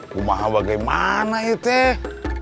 kamu apa gimana ya teh